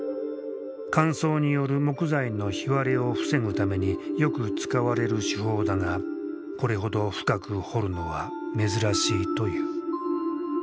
乾燥による木材の干割れを防ぐためによく使われる手法だがこれほど深く彫るのは珍しいという。